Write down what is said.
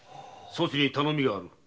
そちに頼みがある。